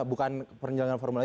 bukan penyelenggaraan formula e